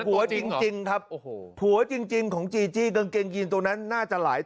ารัจะตั๋วจริงเหรอค่ะโอ้โด